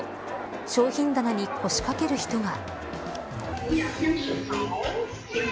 商品棚に腰掛ける人が。